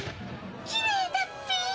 きれいだっピィ。